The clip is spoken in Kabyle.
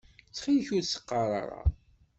Ttxil-k ur s-qqaṛ ara.